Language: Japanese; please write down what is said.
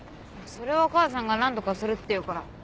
それは母さんが何とかするって言うから。